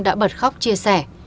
đã bật khóc chia sẻ